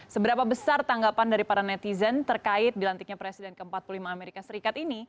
seberapa besar tanggapan dari para netizen terkait dilantiknya presiden ke empat puluh lima amerika serikat ini